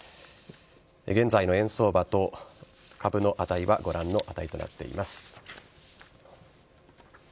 現在の円相場と株の値はご覧の値となっています。